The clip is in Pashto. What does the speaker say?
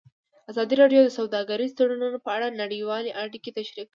ازادي راډیو د سوداګریز تړونونه په اړه نړیوالې اړیکې تشریح کړي.